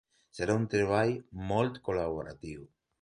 Serà un treball molt col·laboratiu.